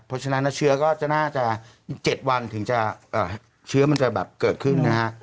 เพราะฉะนั้นเชื้อก็จะน่าจะ๗วันถึงจะเชื้อมันจะแบบเกิดขึ้นนะฮะ